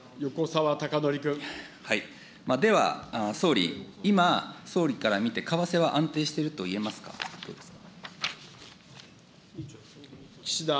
では、総理、今、総理から見て為替は安定してるといえますか、どうですか。